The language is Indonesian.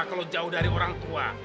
kalau jauh dari orang tua